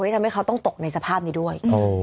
ทำให้เขาต้องตกในสภาพนี้ด้วย